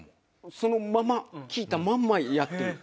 そのまま聞いたまんまやってる。